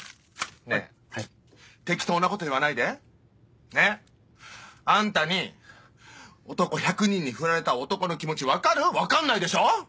適当なこと言わないでねっあんたに男１００人にフラれた男の気持ち分かる⁉分かんないでしょ